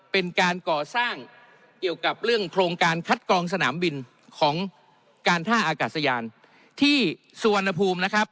เป็นการก่อสร้างเกี่ยวกับเรื่องโครงการคัดกรองสนามบินของการท่าอากาศยานที่สุวรรณภูมินะครับ